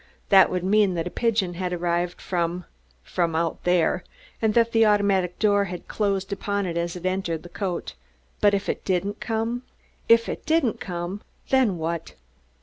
That would mean that a pigeon had arrived from from out there, and that the automatic door had closed upon it as it entered the cote. But if it didn't come if it didn't come! Then what?